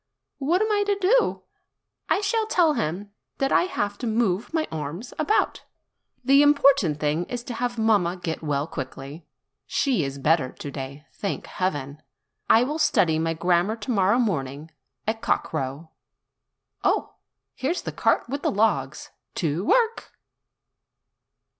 What am I to do? I shall tell him that I have to move my arms about. The im 38 NOVEMBER portant thing is to have mamma get well quickly. She is better to day, thank Heaven ! I will study my gram mar to morrow morning at cock crow. Oh, here's the cart with the logs! To work!"